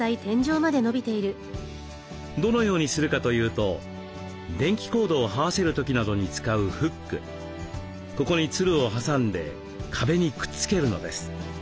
どのようにするかというと電気コードをはわせる時などに使うフックここにつるを挟んで壁にくっつけるのです。